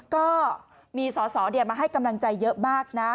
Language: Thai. ก็มีสอสอมาให้กำลังใจเยอะมากนะ